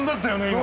今。